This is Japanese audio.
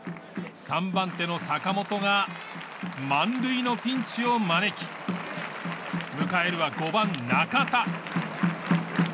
３番手の坂本が満塁のピンチを招き迎えるは、５番、中田。